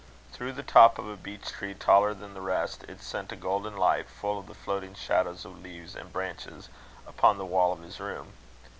Through the top of a beech tree taller than the rest, it sent a golden light, full of the floating shadows of leaves and branches, upon the wall of his room.